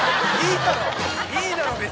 いいだろ！